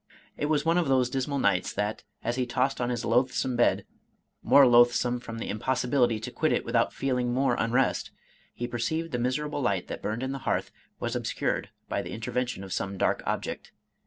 It was one of those dismal nights, that, as he tossed on his loathsome bed, — more loathsome from the impossibility to quit it without feeling more " unrest," — he perceived the miserable light that burned in the hearth was obscured by the intervention of some dark object.